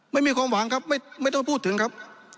ไม่มีความหวังครับไม่ต้องพูดถึงครับ